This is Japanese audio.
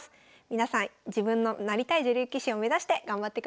皆さん自分のなりたい女流棋士を目指して頑張ってください。